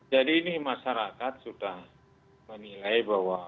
jadi ini masyarakat sudah menilai bahwa